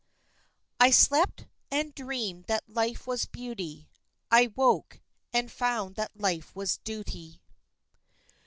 ] "I slept, and dreamed that life was beauty; I woke, and found that life was duty."